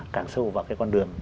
càng sâu vào cái con đường